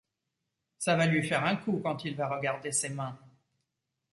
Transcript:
Ça va lui faire un coup quand il va regarder ses mains.